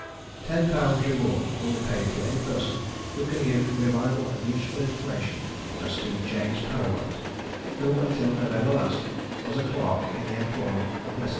"TEN POUNDS REWARD will be paid to any person who can give reliable and useful information as to James Parrawhite, who until November last was a clerk in the employ of Messrs.